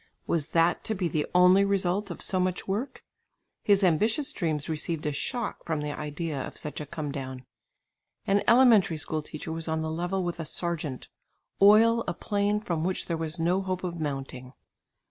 Was that to be the only result of so much work? His ambitious dreams received a shock from the idea of such a come down. An elementary school teacher was on a level with a sergeant, oil a plane from which there was no hope of mounting.